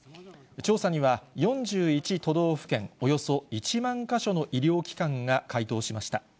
調査には４１都道府県およそ１万か所の医療機関が回答しました。